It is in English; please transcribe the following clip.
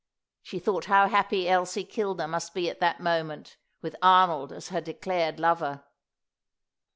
She thought how happy Elsie Kilner must be at that moment with Arnold as her declared lover.